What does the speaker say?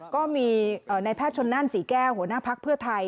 ก็มีนายแพทย์ชนนั่นศรีแก้วหัวหน้าภักดิ์เพื่อไทย